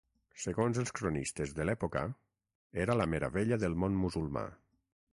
Segons els cronistes de l'època, era la meravella del món musulmà.